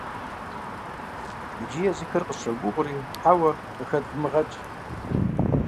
Иджы езыхэр къытщогугъри, «хьэуэ» къыхэдвмыгъэгъэкӀ.